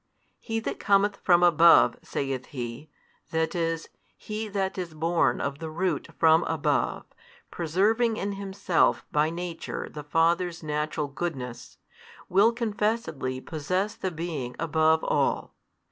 He That cometh from above, saith he, that is, He That is born of the root from above, preserving in Himself by Nature the Father's Natural goodness, will confessedly possess the being above all.